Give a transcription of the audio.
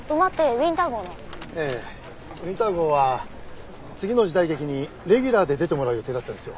ウィンター号は次の時代劇にレギュラーで出てもらう予定だったんですよ。